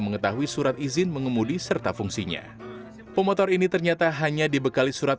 mengetahui surat izin mengemudi serta fungsinya pemotor ini ternyata hanya dibekali surat